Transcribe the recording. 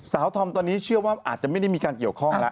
ทอมตอนนี้เชื่อว่าอาจจะไม่ได้มีการเกี่ยวข้องแล้ว